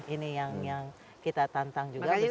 ini yang kita tantang juga bersama pendamping